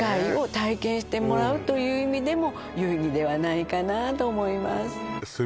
体験してもらうという意味でも有意義ではないかなと思います